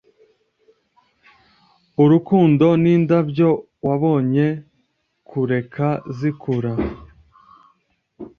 urukundo nindabyo wabonye kureka zikura.